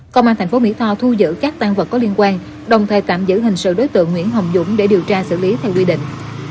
công an tp mỹ tho thu giữ các tăng vật có liên quan đồng thời tạm giữ hình sự đối tượng nguyễn hồng dũng để điều tra xử lý theo quy định